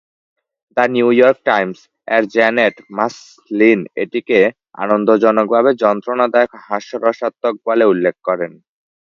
"The New York টাইমস"-এর Janet Maslin এটিকে "আনন্দজনকভাবে যন্ত্রণাদায়ক হাস্যরসাত্মক" বলে উল্লেখ করেন।